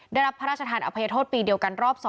ได้รับพระราชทานอภัยโทษปีเดียวกันรอบ๒